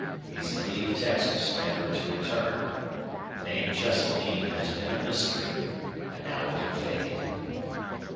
He's to leave Texas never to return. The name Cheseldine has been a mystery, and now it'll fade."